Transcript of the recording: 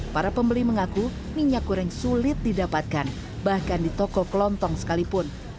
para pembeli mengaku minyak goreng sulit didapatkan bahkan di toko kelontong sekalipun